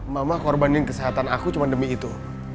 mama korbanin kesehatan aku cuma demi itu